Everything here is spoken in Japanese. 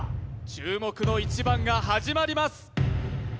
注目の一番が始まります